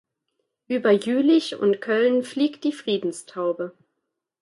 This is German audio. Über Jülich und Köln fliegt die Friedenstaube.